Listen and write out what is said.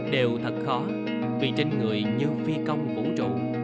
đều thật khó vì trên người như phi công vũ trụ